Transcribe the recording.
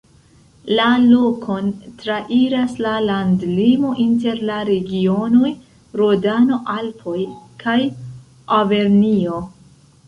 La lokon trairas la landlimo inter la regionoj Rodano-Alpoj kaj Aŭvernjo.